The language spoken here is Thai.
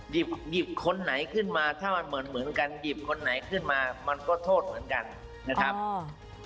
หยิบหยิบคนไหนขึ้นมาถ้ามันเหมือนเหมือนกันหยิบคนไหนขึ้นมามันก็โทษเหมือนกันนะครับอืม